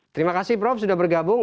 terima kasih prof sudah bergabung